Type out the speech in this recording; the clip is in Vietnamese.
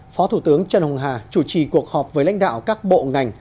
phó thủ tướng trần hồng hà chủ trì cuộc họp với lãnh đạo các bộ ngành